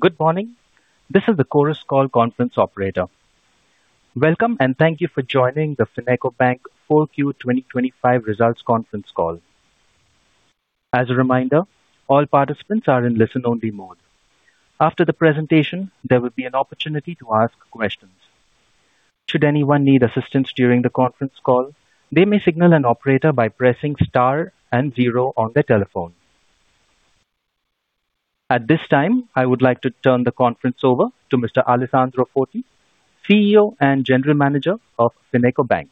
Good morning. This is the Chorus Call conference operator. Welcome, and thank you for joining the FinecoBank 4Q 2025 results conference call. As a reminder, all participants are in listen-only mode. After the presentation, there will be an opportunity to ask questions. Should anyone need assistance during the conference call, they may signal an operator by pressing star and zero on their telephone. At this time, I would like to turn the conference over to Mr. Alessandro Foti, CEO and General Manager of FinecoBank.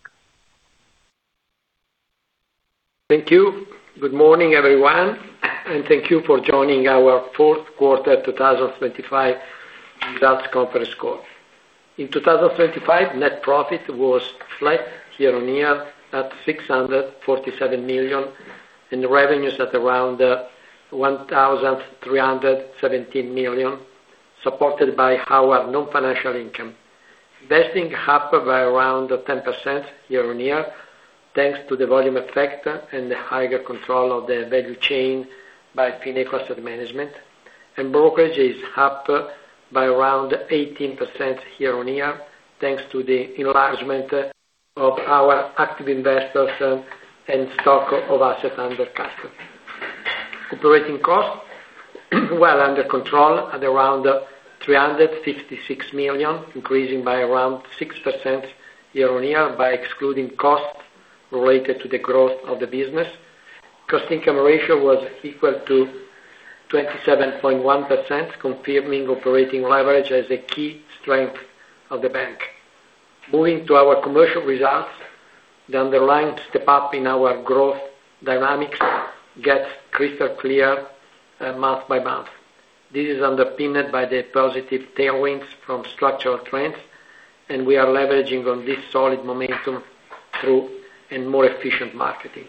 Thank you. Good morning, everyone. Thank you for joining our fourth quarter 2025 results conference call. In 2025, net profit was flat year-over-year at 647 million, and revenues at around 1,317 million, supported by our non-financial income. Investing revenues by around 10% year-over-year, thanks to the volume effect and the higher control of the value chain by Fineco Asset Management. Brokerage is up by around 18% year-over-year, thanks to the enlargement of our active investors and stock of assets under custody. Operating costs? Well, under control at around 356 million, increasing by around 6% year-over-year by excluding costs related to the growth of the business. Cost-to-income ratio was equal to 27.1%, confirming operating leverage as a key strength of the bank. Moving to our commercial results, the underlying step-up in our growth dynamics gets crystal clear month-by-month. This is underpinned by the positive tailwinds from structural trends, and we are leveraging on this solid momentum through more efficient marketing.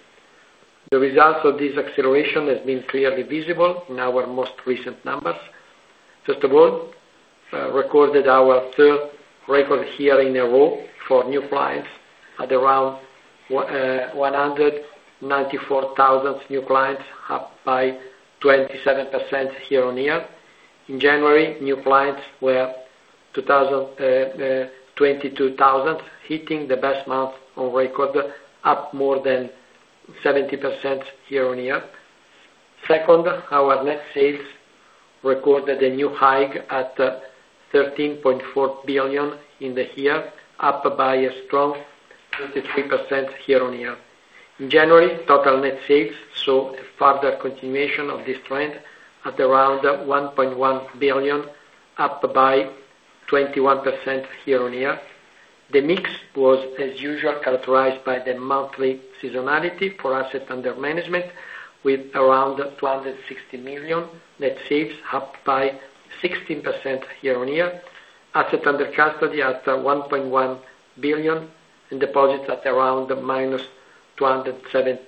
The results of this acceleration have been clearly visible in our most recent numbers. First of all, recorded our third record year in a row for new clients, at around 194,000 new clients, up by 27% year-over-year. In January, new clients were 22,000, hitting the best month on record, up more than 70% year-over-year. Second, our net sales recorded a new high at 13.4 billion in the year, up by a strong 33% year-over-year. In January, total net sales saw a further continuation of this trend at around 1.1 billion, up by 21% year-over-year. The mix was, as usual, characterized by the monthly seasonality for asset under management, with around 260 million net sales, up by 16% year-on-year, asset under custody at 1.1 billion, and deposits at around -207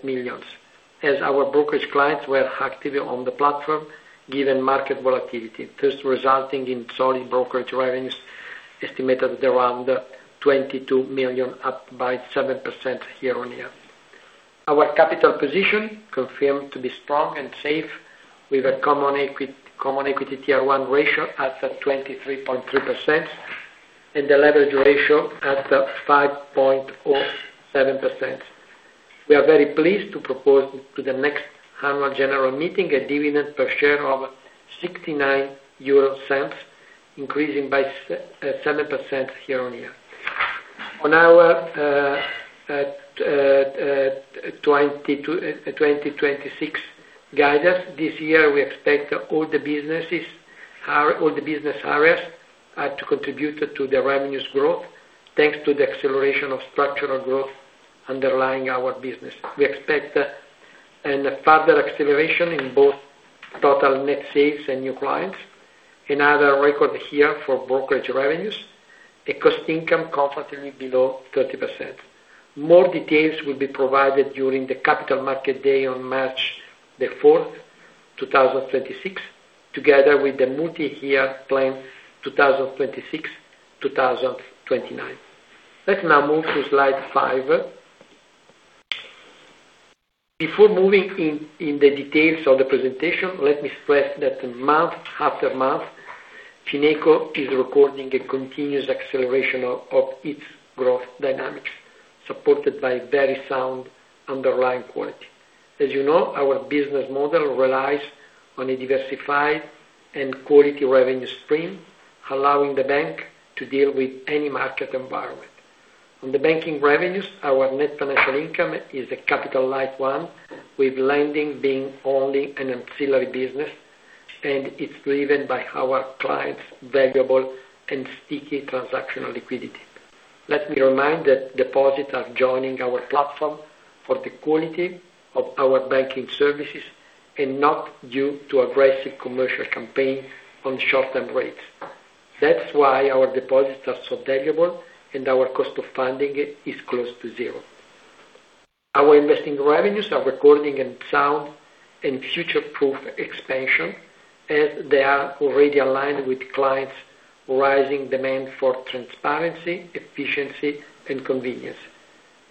million. As our brokerage clients were active on the platform, given market volatility, this resulted in solid brokerage revenues estimated at around 22 million, up by 7% year-on-year. Our capital position confirmed to be strong and safe, with a Common Equity Tier 1 ratio at 23.3% and a leverage ratio at 5.07%. We are very pleased to propose to the next annual general meeting a dividend per share of 0.69, increasing by 7% year-on-year. On our 2026 guidance, this year, we expect all the business areas to contribute to the revenues growth, thanks to the acceleration of structural growth underlying our business. We expect a further acceleration in both total net sales and new clients. Another record here for brokerage revenues: a cost income comfortably below 30%. More details will be provided during the Capital Markets Day on March the 4th, 2026, together with the multi-year plan 2026-2029. Let's now move to slide 5. Before moving into the details of the presentation, let me stress that month after month, Fineco is recording a continuous acceleration of its growth dynamics, supported by very sound underlying quality. As you know, our business model relies on a diversified and quality revenue stream, allowing the bank to deal with any market environment. On the banking revenues, our net financial income is a capital light one, with lending being only an ancillary business, and it's driven by our clients' valuable and sticky transactional liquidity. Let me remind that deposits are joining our platform for the quality of our banking services and not due to aggressive commercial campaigns on short-term rates. That's why our deposits are so valuable, and our cost of funding is close to 0. Our investing revenues are recording a sound and future-proof expansion, as they are already aligned with clients' rising demand for transparency, efficiency, and convenience.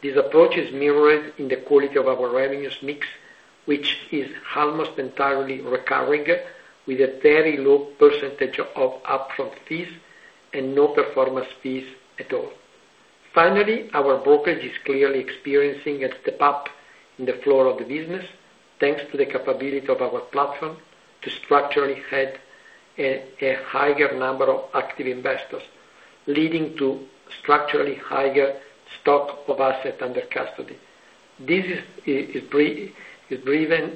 This approach is mirrored in the quality of our revenues mix, which is almost entirely recurring, with a very low percentage of upfront fees and no performance fees at all. Finally, our brokerage is clearly experiencing a step-up in the flow of the business, thanks to the capability of our platform to structurally head a higher number of active investors, leading to structurally higher stock of assets under custody. This is driven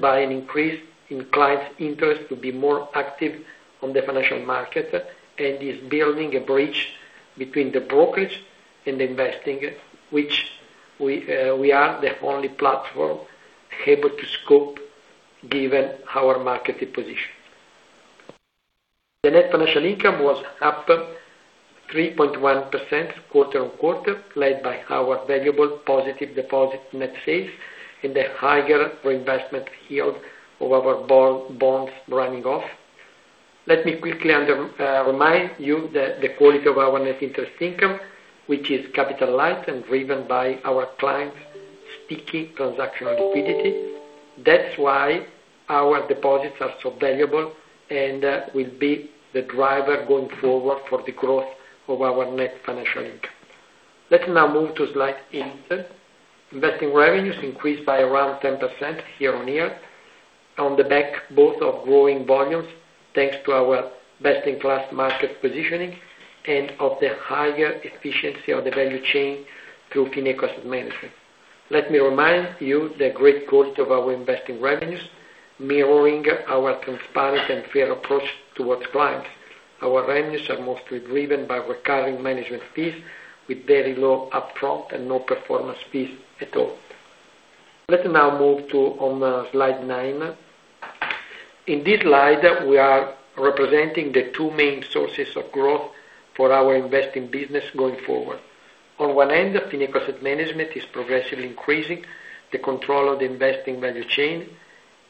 by an increase in clients' interest to be more active on the financial market and is building a bridge between the brokerage and the investing, which we are the only platform able to scope, given our marketing position. The net financial income was up 3.1% quarter-over-quarter, led by our valuable positive deposit net sales and the higher reinvestment yield of our bonds running off. Let me quickly remind you that the quality of our net interest income, which is capital light and driven by our clients' sticky transactional liquidity, that's why our deposits are so valuable and will be the driver going forward for the growth of our net financial income. Let's now move to slide 8. Investing revenues increased by around 10% year-on-year, on the back both of growing volumes, thanks to our best-in-class market positioning and of the higher efficiency of the value chain through Fineco Asset Management. Let me remind you the great quality of our investing revenues, mirroring our transparent and fair approach towards clients. Our revenues are mostly driven by recurring management fees, with very low upfront and no performance fees at all. Let's now move to slide 9. In this slide, we are representing the two main sources of growth for our investing business going forward. On one end, Fineco Asset Management is progressively increasing the control of the investing value chain.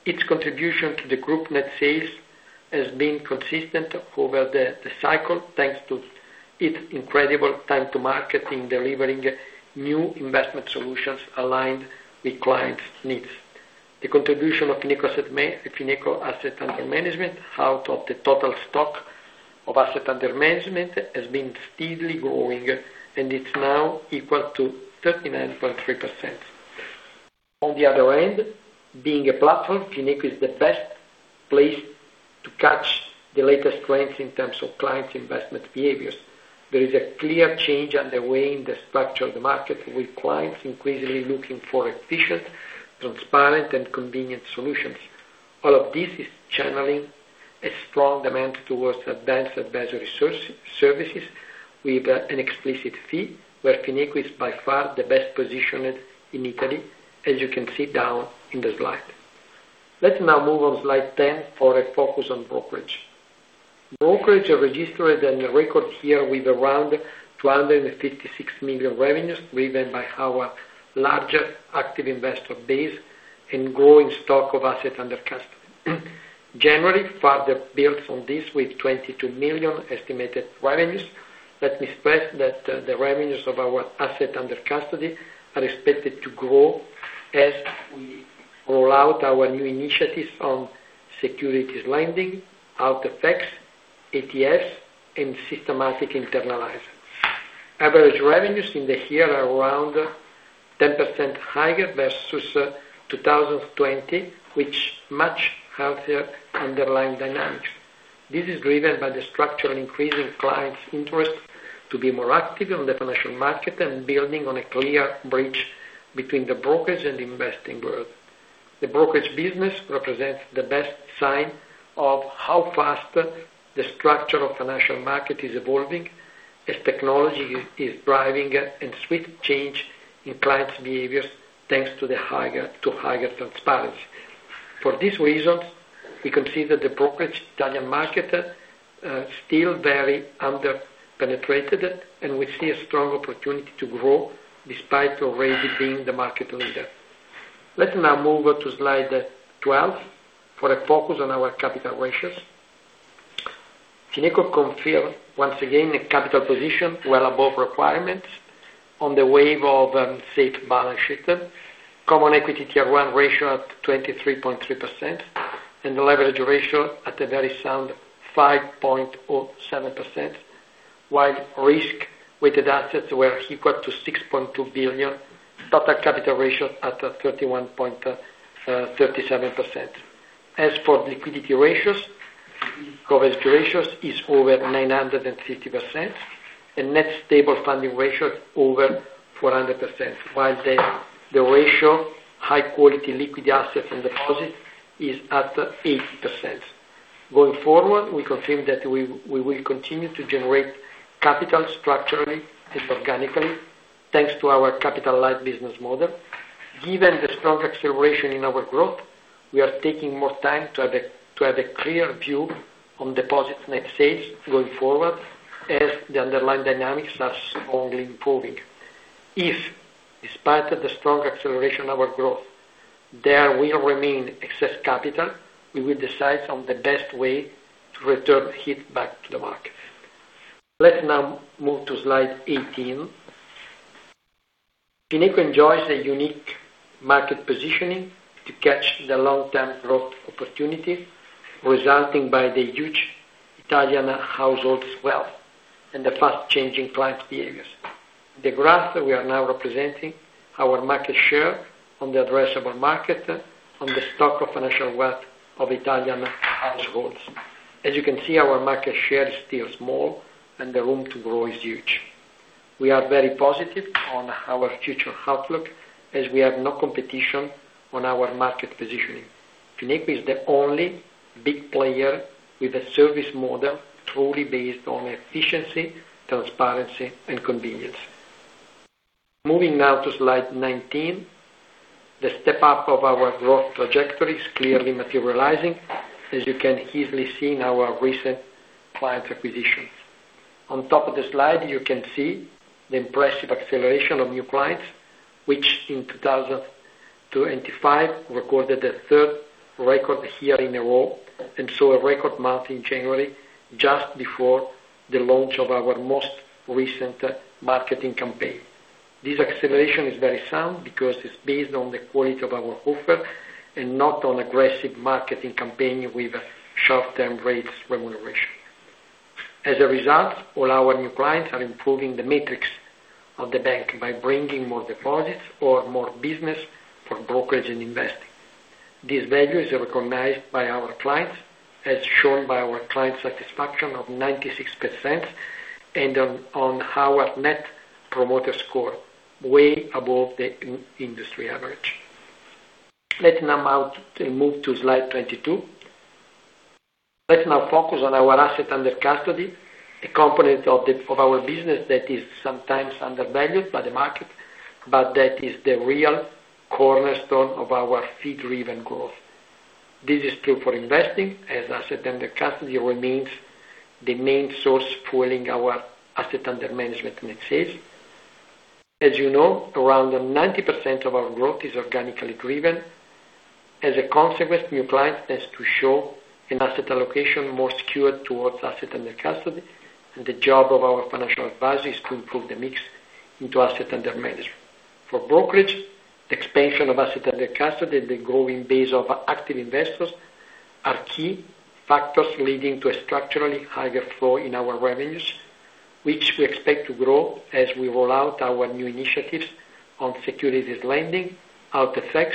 Its contribution to the group net sales has been consistent over the cycle, thanks to its incredible time-to-market in delivering new investment solutions aligned with clients' needs. The contribution of Fineco Asset Management out of the total stock of asset under management has been steadily growing, and it's now equal to 39.3%. On the other end, being a platform, Fineco is the best place to catch the latest trends in terms of clients' investment behaviors. There is a clear change underway in the structure of the market, with clients increasingly looking for efficient, transparent, and convenient solutions. All of this is channeling a strong demand towards advanced advisory services with an explicit fee, where Fineco is by far the best positioned in Italy, as you can see down in the slide. Let's now move on slide 10 for a focus on brokerage. Brokerage registered and record here with around 256 million revenues, driven by our larger active investor base and growing stock of assets under custody. January further builds on this with 22 million estimated revenues. Let me stress that the revenues of our assets under custody are expected to grow as we roll out our new initiatives on securities lending, out-of-facts ETFs, and systematic internalizers. Average revenues in the year are around 10% higher versus 2020, which match healthier underlying dynamics. This is driven by the structural increase in clients' interest to be more active on the financial market and building on a clear bridge between the brokerage and the investing world. The brokerage business represents the best sign of how fast the structure of the financial market is evolving, as technology is driving a sea change in clients' behaviors, thanks to higher transparency. For these reasons, we consider the brokerage Italian market still very under-penetrated, and we see a strong opportunity to grow despite already being the market leader. Let's now move to slide 12 for a focus on our capital ratios. Fineco confirmed once again a capital position well above requirements on the wave of safe balance sheet, Common Equity Tier 1 ratio at 23.3%, and the leverage ratio at a very sound 5.07%, while risk-weighted assets were equal to 6.2 billion, total capital ratio at 31.37%. As for liquidity ratios, coverage ratios are over 950%, and net stable funding ratio is over 400%, while the ratio high-quality liquid assets and deposits is at 80%. Going forward, we confirm that we will continue to generate capital structurally and organically, thanks to our capital light business model. Given the strong acceleration in our growth, we are taking more time to have a clear view on deposits and sales going forward, as the underlying dynamics are strongly improving. If, despite the strong acceleration in our growth, there will remain excess capital, we will decide on the best way to return capital back to the market. Let's now move to Slide 18. Fineco enjoys a unique market positioning to catch the long-term growth opportunity, resulting in the huge Italian households' wealth and the fast-changing clients' behaviors. In the graph that we are now representing, our market share on the addressable market on the stock of financial wealth of Italian households. As you can see, our market share is still small, and the room to grow is huge. We are very positive on our future outlook, as we have no competition on our market positioning. Fineco is the only big player with a service model truly based on efficiency, transparency, and convenience. Moving now to slide 19, the step-up of our growth trajectory is clearly materializing, as you can easily see in our recent clients' acquisitions. On top of the slide, you can see the impressive acceleration of new clients, which in 2025 recorded a third record year in a row and saw a record month in January, just before the launch of our most recent marketing campaign. This acceleration is very sound because it's based on the quality of our offer and not on aggressive marketing campaigns with short-term rates remuneration. As a result, all our new clients are improving the metrics of the bank by bringing more deposits or more business for brokerage and investing. This value is recognized by our clients, as shown by our clients' satisfaction of 96% and on our Net Promoter Score, way above the industry average. Let's now move to slide 22. Let's now focus on our asset under custody, a component of our business that is sometimes undervalued by the market, but that is the real cornerstone of our fee-driven growth. This is true for investing, as asset under custody remains the main source fueling our asset under management and sales. As you know, around 90% of our growth is organically driven. As a consequence, new clients tend to show an asset allocation more skewed towards asset under custody, and the job of our financial advisor is to improve the mix into asset under management. For brokerage, the expansion of asset under custody and the growing base of active investors are key factors leading to a structurally higher flow in our revenues, which we expect to grow as we roll out our new initiatives on securities lending, OTC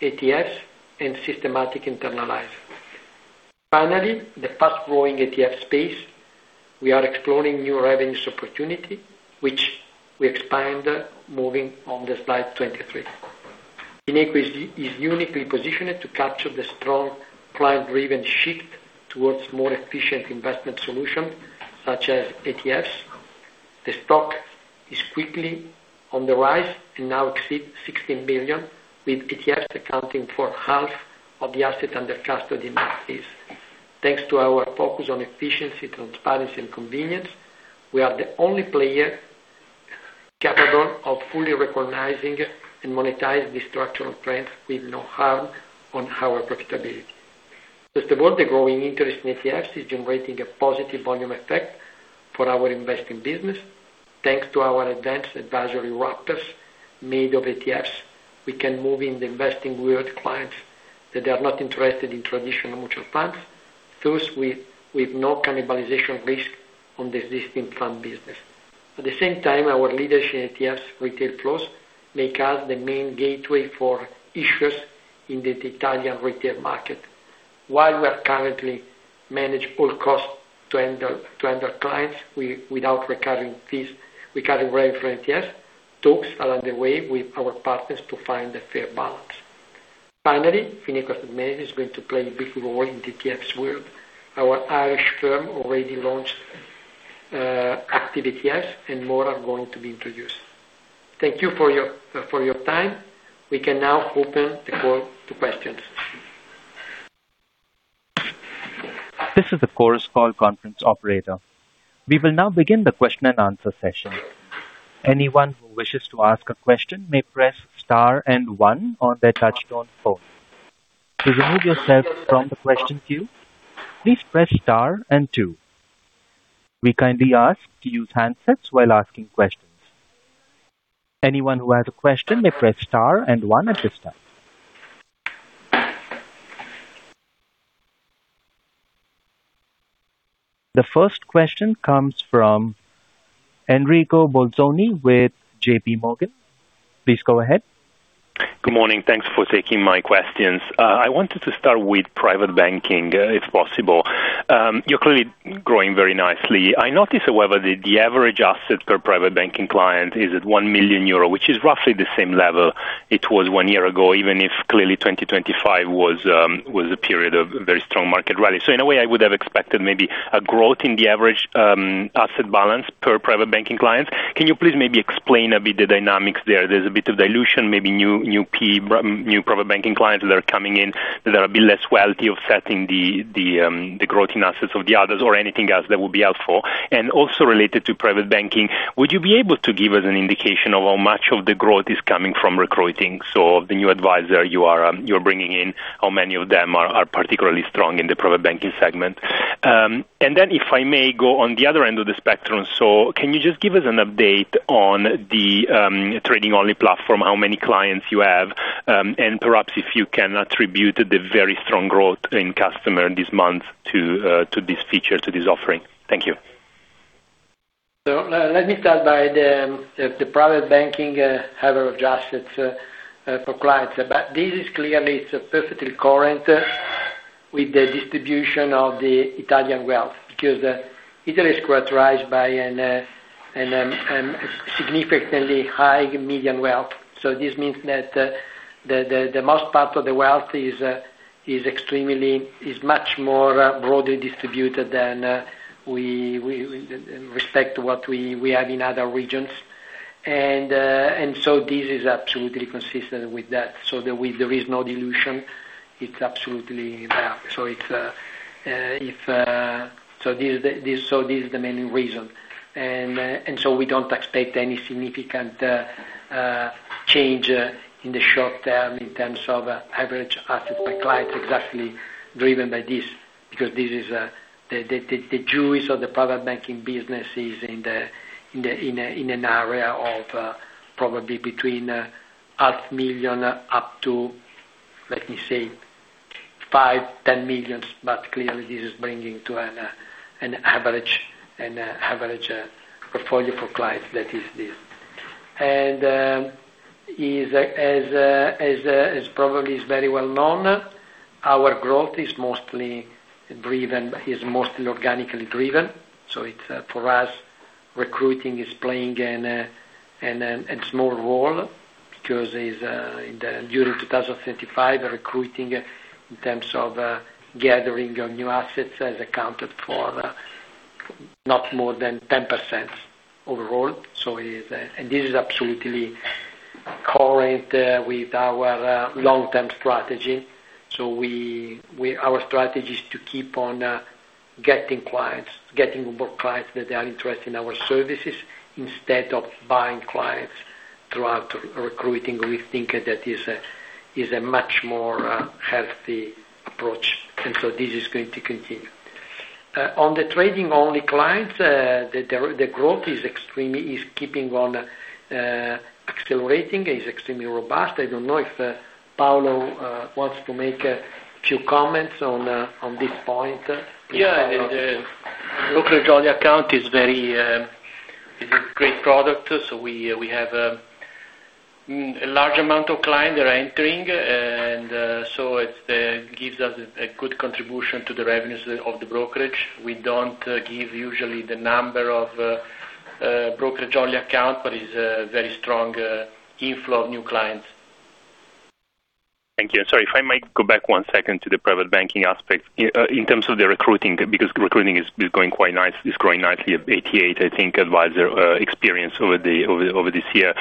ETFs, and systematic internalizers. Finally, the fast-growing ETF space. We are exploring new revenue opportunities, which we expand moving on to slide 23. Fineco is uniquely positioned to capture the strong client-driven shift towards more efficient investment solutions, such as ETFs. The stock is quickly on the rise and now exceeds 16 million, with ETFs accounting for half of the asset under custody net sales. Thanks to our focus on efficiency, transparency, and convenience, we are the only player capable of fully recognizing and monetizing these structural trends with no harm on our profitability. First of all, the growing interest in ETFs is generating a positive volume effect for our investing business. Thanks to our advanced advisory wrappers made of ETFs, we can move in the investing world clients that are not interested in traditional mutual funds through with no cannibalization risk on the existing fund business. At the same time, our leadership in ETFs retail flows make us the main gateway for issuers in the Italian retail market. While we are currently managing all costs to handle clients without recurring fees, recurring revenue from ETFs, talks are underway with our partners to find a fair balance. Finally, Fineco Asset Management is going to play a big role in the ETFs world. Our Irish firm already launched active ETFs, and more are going to be introduced. Thank you for your time. We can now open the call to questions. This is the Chorus Call Conference Operator. We will now begin the question-and-answer session. Anyone who wishes to ask a question may press star and one on their touch-tone phone. To remove yourself from the question queue, please press star and two. We kindly ask to use handsets while asking questions. Anyone who has a question may press star and one at this time. The first question comes from Enrico Bolzoni with JPMorgan. Please go ahead. Good morning. Thanks for taking my questions. I wanted to start with private banking, if possible. You're clearly growing very nicely. I notice, however, that the average asset per private banking client is at 1 million euro, which is roughly the same level it was one year ago, even if clearly 2025 was a period of very strong market rally. So in a way, I would have expected maybe a growth in the average asset balance per private banking client. Can you please maybe explain a bit the dynamics there? There's a bit of dilution, maybe new private banking clients that are coming in that are a bit less wealthy offsetting the growth in assets of the others or anything else that would be helpful. Also related to private banking, would you be able to give us an indication of how much of the growth is coming from recruiting? So of the new advisor you're bringing in, how many of them are particularly strong in the private banking segment? And then if I may go on the other end of the spectrum, so can you just give us an update on the trading-only platform, how many clients you have, and perhaps if you can attribute the very strong growth in customer this month to this feature, to this offering? Thank you. So let me start by the private banking have a lot of assets for clients. But this is clearly perfectly current with the distribution of the Italian wealth because Italy is characterized by a significantly high median wealth. So this means that the most part of the wealth is much more broadly distributed than we expect what we have in other regions. And so this is absolutely consistent with that, so that there is no dilution. It's absolutely there. So this is the main reason. And so we don't expect any significant change in the short term in terms of average assets by clients exactly driven by this because the juice of the private banking business is in an area of probably between 500,000 up to, let me say, 5 million-10 million. But clearly, this is bringing to an average portfolio for clients that is this. And as probably is very well known, our growth is mostly driven is mostly organically driven. So for us, recruiting is playing a small role because during 2025, recruiting in terms of gathering new assets has accounted for not more than 10% overall. This is absolutely current with our long-term strategy. Our strategy is to keep on getting more clients that are interested in our services instead of buying clients throughout recruiting. We think that is a much more healthy approach, and so this is going to continue. On the trading-only clients, the growth is keeping on accelerating. It's extremely robust. I don't know if Paolo wants to make a few comments on this point. Yeah. Look, the Jolly account is a great product. So we have a large amount of clients that are entering, and so it gives us a good contribution to the revenues of the brokerage. We don't give usually the number of brokerage-only accounts, but it's a very strong inflow of new clients. Thank you. Sorry, if I might go back one second to the private banking aspect in terms of the recruiting because recruiting is going quite nice is growing nicely, 88, I think, advisor experience over this year.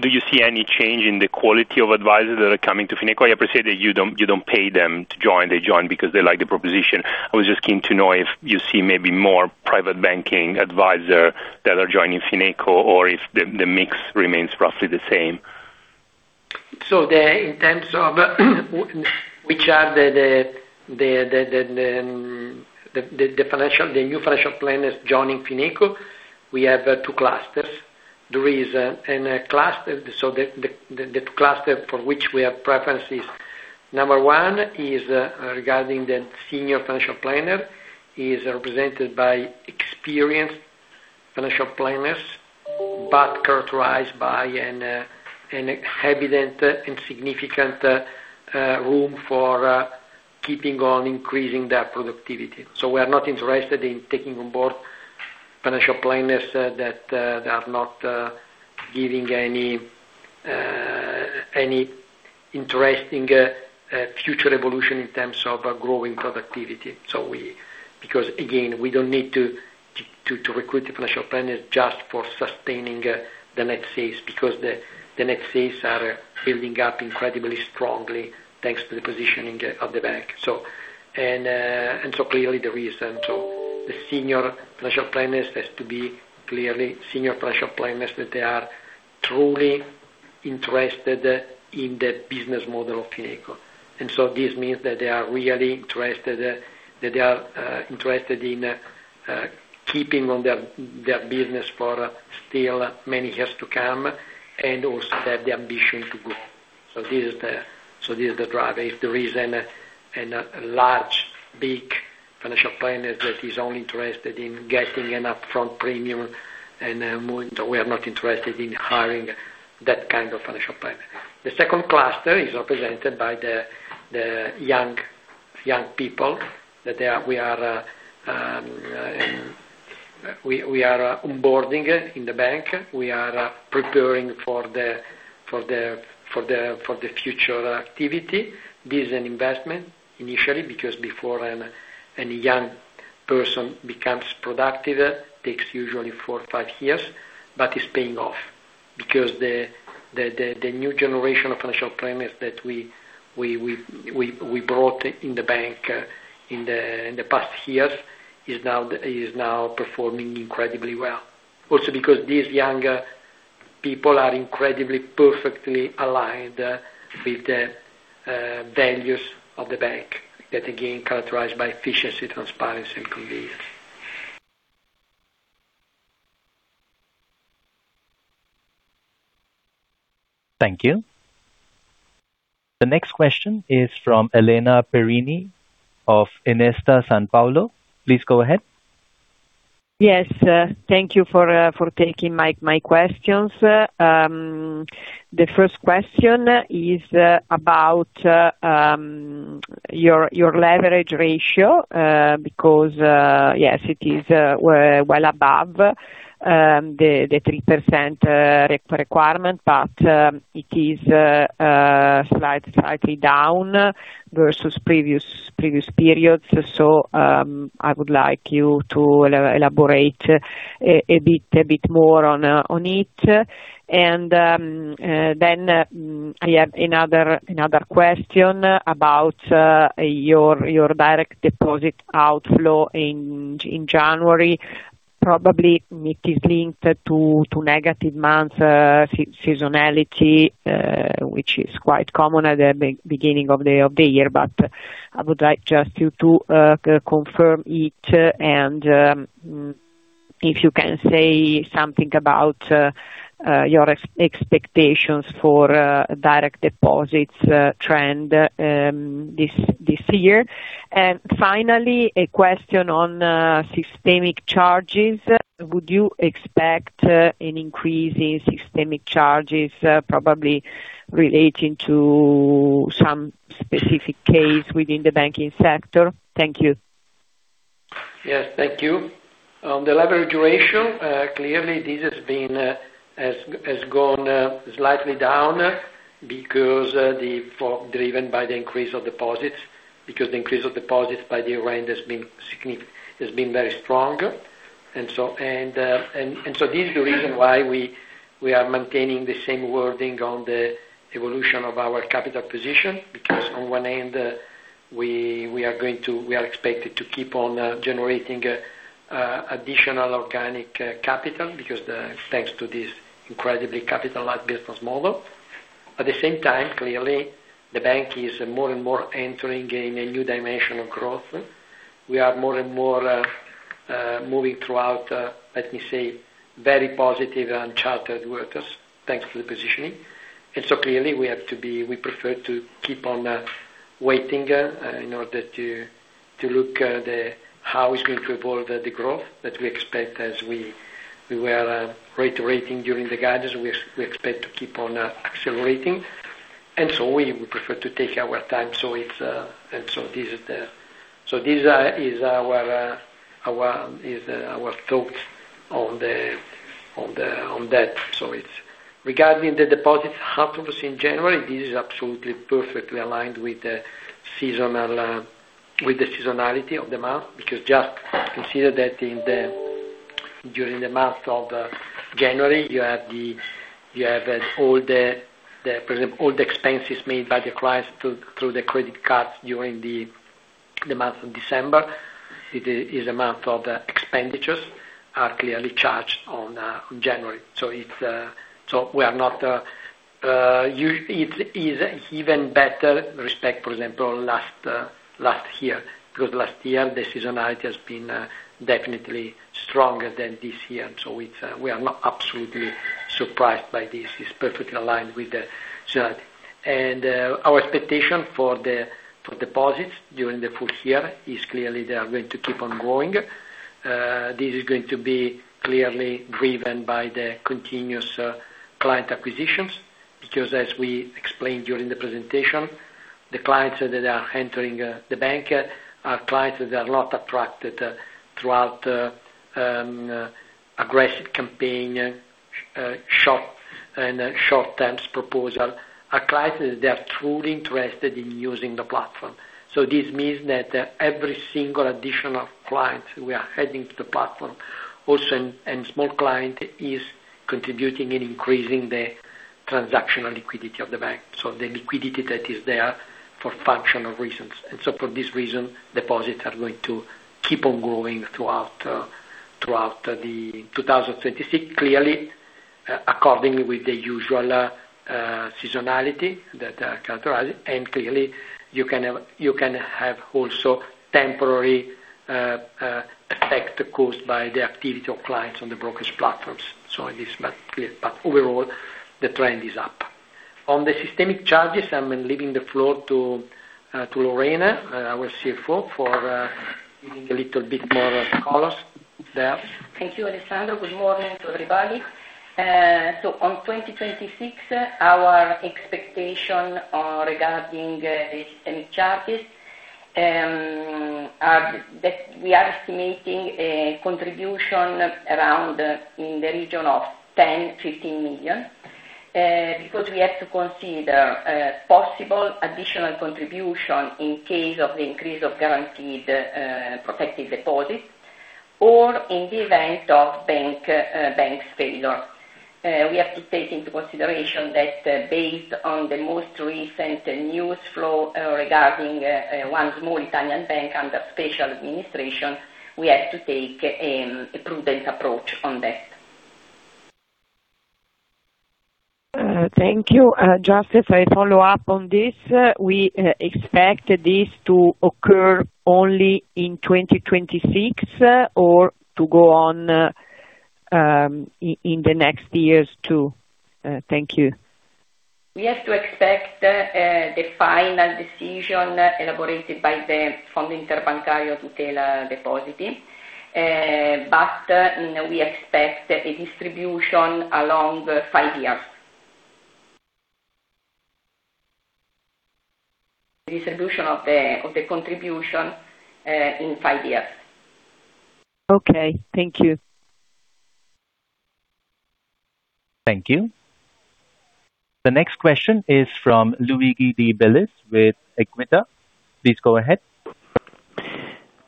Do you see any change in the quality of advisor that are coming to Fineco? I appreciate that you don't pay them to join. They join because they like the proposition. I was just keen to know if you see maybe more private banking advisor that are coming to Fineco or if the mix remains roughly the same. So in terms of which are the new financial planners joining Fineco, we have two clusters. There is a cluster, so the two clusters for which we have preferences. Number one is regarding the senior financial planner, is represented by experienced financial planners but characterized by an evident and significant room for keeping on increasing their productivity. So we are not interested in taking on board financial planners that are not giving any interesting future evolution in terms of growing productivity because, again, we don't need to recruit the financial planners just for sustaining the net sales because the net sales are building up incredibly strongly thanks to the positioning of the bank. And so clearly, the reason so the senior financial planners has to be clearly senior financial planners that they are truly interested in the business model of Fineco. So this means that they are really interested that they are interested in keeping on their business for still many years to come and also have the ambition to grow. This is the driver. It's the reason a large, big financial planner that is only interested in getting an upfront premium and so we are not interested in hiring that kind of financial planner. The second cluster is represented by the young people that we are onboarding in the bank. We are preparing for the future activity. This is an investment initially because before any young person becomes productive, it takes usually 4-5 years, but it's paying off because the new generation of financial planners that we brought in the bank in the past years is now performing incredibly well also because these young people are incredibly perfectly aligned with the values of the bank that, again, characterized by efficiency, transparency, and convenience. Thank you. The next question is from Elena Perini of Intesa Sanpaolo. Please go ahead. Yes. Thank you for taking my questions. The first question is about your leverage ratio because, yes, it is well above the 3% requirement, but it is slightly down versus previous periods. So I would like you to elaborate a bit more on it. And then I have another question about your direct deposit outflow in January. Probably, it is linked to negative month seasonality, which is quite common at the beginning of the year. But I would like just you to confirm it and if you can say something about your expectations for direct deposits trend this year. And finally, a question on systemic charges. Would you expect an increase in systemic charges probably relating to some specific case within the banking sector? Thank you. Yes. Thank you. The leverage ratio, clearly, this has gone slightly down because driven by the increase of deposits because the increase of deposits by the year-end has been very strong. And so this is the reason why we are maintaining the same wording on the evolution of our capital position because on one end, we are expected to keep on generating additional organic capital thanks to this incredibly capital-light business model. At the same time, clearly, the bank is more and more entering in a new dimension of growth. We are more and more moving throughout, let me say, very positive uncharted waters thanks to the positioning. And so clearly, we prefer to keep on waiting in order to look at how it's going to evolve the growth that we expect as we were reiterating during the guidance. We expect to keep on accelerating. And so we prefer to take our time. And so this is, so this is our thoughts on that. So, regarding the deposits, half of us in January, this is absolutely perfectly aligned with the seasonality of the month because just consider that during the month of January, you have all the, for example, all the expenses made by the clients through the credit cards during the month of December. It is a month of expenditures are clearly charged on January. So we are not. It is even better respect, for example, last year because last year, the seasonality has been definitely stronger than this year. So we are not absolutely surprised by this. It's perfectly aligned with the seasonality. Our expectation for the deposits during the full year is clearly they are going to keep on growing. This is going to be clearly driven by the continuous client acquisitions because as we explained during the presentation, the clients that are entering the bank are clients that are not attracted through aggressive campaigns and short-term proposals. They are clients that are truly interested in using the platform. So this means that every single additional client we are adding to the platform, also a small client, is contributing and increasing the transactional liquidity of the bank, so the liquidity that is there for functional reasons. And so for this reason, deposits are going to keep on growing through 2026, clearly according with the usual seasonality that characterizes it. And clearly, you can have also temporary effects caused by the activity of clients on the brokerage platforms. So it is clear. But overall, the trend is up. On the systemic charges, I'm leaving the floor to Lorena, our CFO, for giving a little bit more colors there. Thank you, Alessandro. Good morning to everybody. So on 2026, our expectation regarding the systemic charges are that we are estimating a contribution around in the region of 10-15 million because we have to consider possible additional contribution in case of the increase of guaranteed protected deposits or in the event of bank failure. We have to take into consideration that based on the most recent newsflow regarding one small Italian bank under special administration, we have to take a prudent approach on that. Thank you. Just as a follow-up on this, we expect this to occur only in 2026 or to go on in the next years too? Thank you. We have to expect the final decision elaborated by the Fondo Interbancario di Tutela dei Depositi, but we expect a distribution along 5 years. Distribution of the contribution in 5 years. Okay. Thank you. Thank you. The next question is from Luigi De Bellis with Equita. Please go ahead.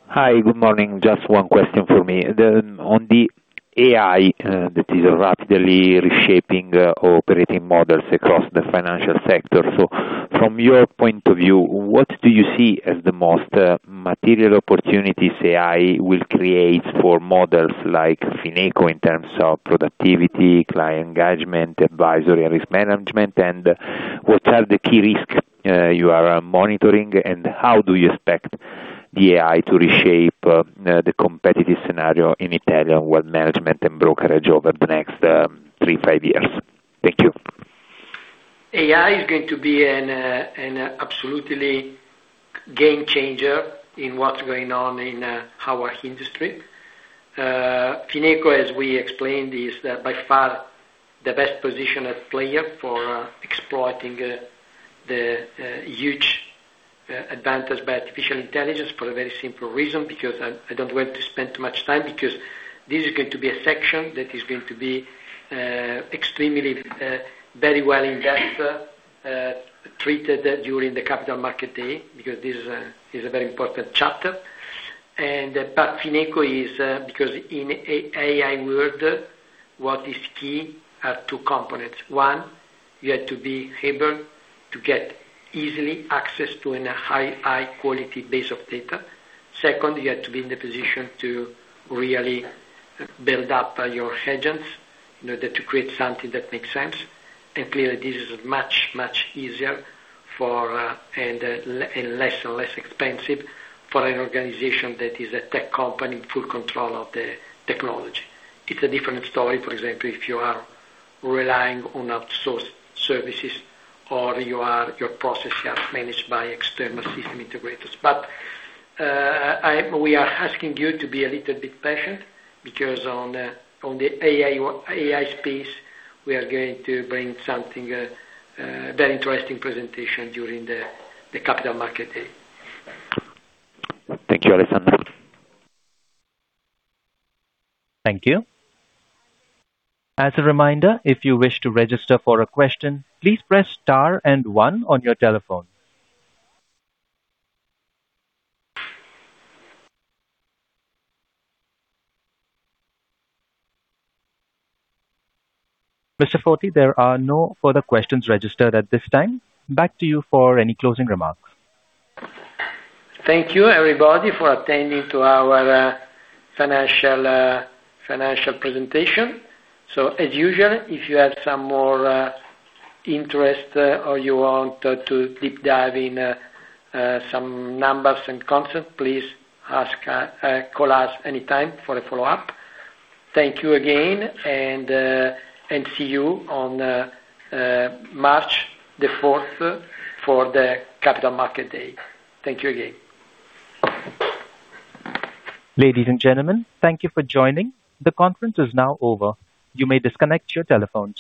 Hi. Good morning. Just one question for me. On the AI that is rapidly reshaping operating models across the financial sector, so from your point of view, what do you see as the most material opportunities AI will create for models like Fineco in terms of productivity, client engagement, advisory and risk management? And what are the key risks you are monitoring, and how do you expect the AI to reshape the competitive scenario in Italian wealth management and brokerage over the next 3-5 years? Thank you. AI is going to be an absolutely game-changer in what's going on in our industry. Fineco, as we explained, is by far the best positioned player for exploiting the huge advantage by artificial intelligence for a very simple reason because I don't want to spend too much time because this is going to be a section that is going to be extremely very well in-depth treated during the Capital Markets Day because this is a very important chapter. But Fineco is because in AI world, what is key are two components. One, you have to be able to get easily access to a high-quality base of data. Second, you have to be in the position to really build up your agents in order to create something that makes sense. Clearly, this is much, much easier and less and less expensive for an organization that is a tech company in full control of the technology. It's a different story, for example, if you are relying on outsourced services or your processes are managed by external system integrators. We are asking you to be a little bit patient because on the AI space, we are going to bring something very interesting presentation during the Capital Markets Day. Thank you, Alessandro. Thank you. As a reminder, if you wish to register for a question, please press star and one on your telephone. Mr. Foti, there are no further questions registered at this time. Back to you for any closing remarks. Thank you, everybody, for attending to our financial presentation. So as usual, if you have some more interest or you want to deep dive in some numbers and concepts, please call us anytime for a follow-up. Thank you again, and see you on March the 4th for the Capital Markets Day. Thank you again. Ladies and gentlemen, thank you for joining. The conference is now over. You may disconnect your telephones.